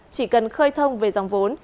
chỉ cần khơi thông về dòng vốn